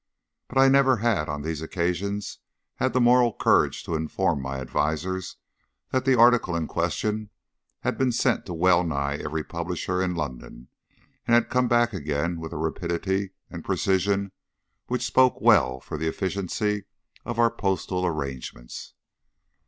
but I have never on these occasions had the moral courage to inform my adviser that the article in question had been sent to well nigh every publisher in London, and had come back again with a rapidity and precision which spoke well for the efficiency of our postal arrangements.